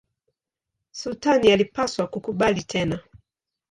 Sultani alipaswa kukubali tena.